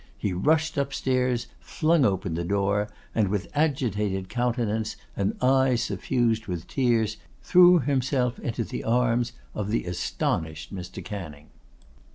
He rushed upstairs, flung open the door, and with agitated countenance, and eyes suffused with tears, threw himself into the arms of the astonished Mr. Canning.